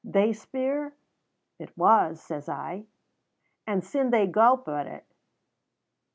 they speir. 'It was,' says I, and syne they gowp at it."